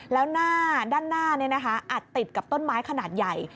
แล้วด้านหน้าติดกับต้นไม้ขนาดใหญ่